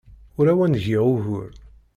Ur awen-d-giɣ ugur.